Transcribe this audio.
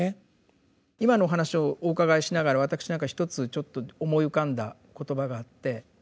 今のお話をお伺いしながら私一つちょっと思い浮かんだ言葉があって。